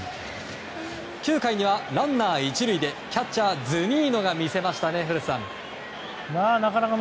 ９回にはランナー１塁でキャッチャー、ズニーノが見せましたね、古田さん。